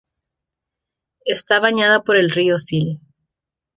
Está bañada por el río Sil.